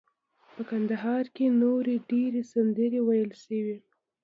په کندهار کې نورې ډیرې سندرې ویل شوي.